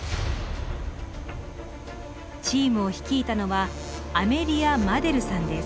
チームを率いたのはアメリア・マデルさんです。